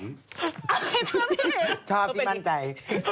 เอาให้ทับให้เห็นชอบซิมั่นใจ